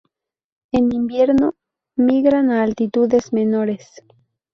En invierno migran a altitudes menores.